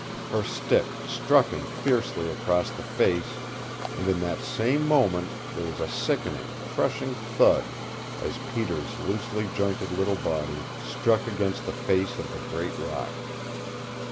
Her stick struck him fiercely across the face, and in that same moment there was a sickening, crushing thud as Peter's loosely jointed little body struck against the face of the great rock.